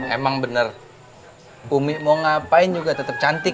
emang bener umi mau ngapain juga tetap cantik